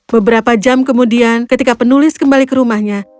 beberapa jam kemudian ketika penulis kembali ke rumahnya